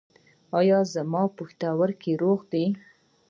ایا زما پښتورګي روغ دي؟